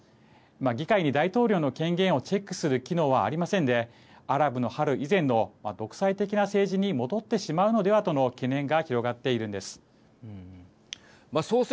議会に大統領の権限をチェックする機能はありませんでアラブの春以前の独裁的な政治に戻ってしまうのではとの懸念が広がっているんです。